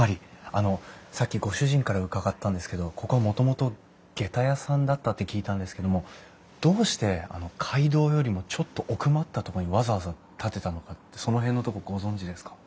あのさっきご主人から伺ったんですけどここはもともとげた屋さんだったって聞いたんですけどもどうして街道よりもちょっと奥まったとこにわざわざ建てたのかってその辺のとこご存じですか？